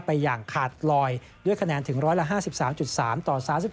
ไปอย่างขาดลอยด้วยคะแนนถึง๑๐๐ละ๕๓๓ต่อ๓๖๖